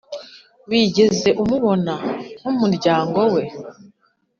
wigeze umubona kumuryango we,